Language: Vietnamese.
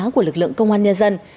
tá của lực lượng công an nhân dân